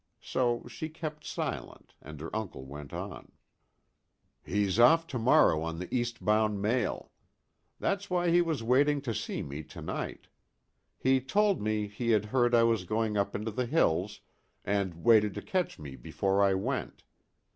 So she kept silent, and her uncle went on. "He's off to morrow on the east bound mail. That's why he was waiting to see me to night. He told me he had heard I was going up into the hills, and waited to catch me before I went.